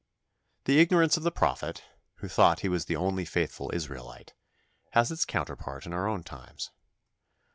The ignorance of the prophet, who thought he was the only faithful Israelite, has its counterpart in our own times.